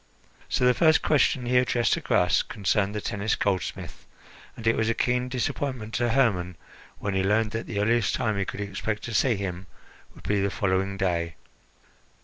So the first question he addressed to Gras concerned the Tennis goldsmith, and it was a keen disappointment to Hermon when he learned that the earliest time he could expect to see him would be the following day.